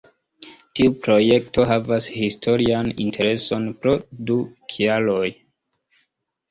Tiu projekto havas historian intereson pro du kialoj.